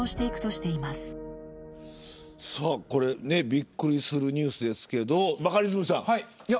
びっくりするニュースですがバカリズムさん。